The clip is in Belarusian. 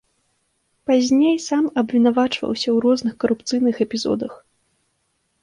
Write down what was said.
Пазней сам абвінавачваўся ў розных карупцыйных эпізодах.